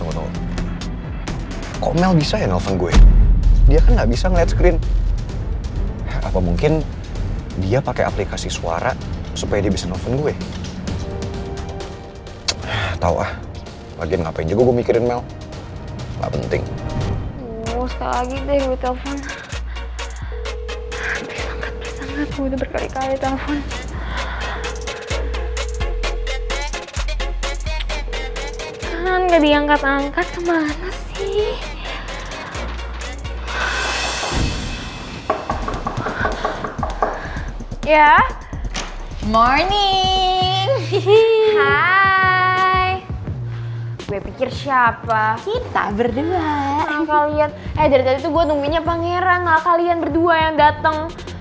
eh dari tadi tuh gue nungguinnya pangeran gak kalian berdua yang dateng